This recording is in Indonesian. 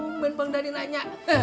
tumben bang dhani nanya